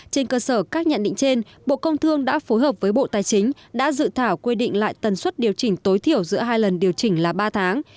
trên cơ sở các nhận định trên bộ công thương đã phối hợp với bộ tài chính đã dự thảo quy định lại tần suất điều chỉnh tối thiểu giữa hai lần điều chỉnh là ba tháng